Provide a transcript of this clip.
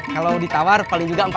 kalau ditawar paling juga empat